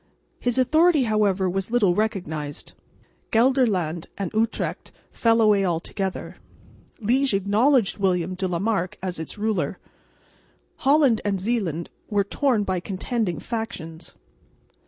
His authority however was little recognised. Gelderland and Utrecht fell away altogether. Liège acknowledged William de la Marck as its ruler. Holland and Zeeland were torn by contending factions.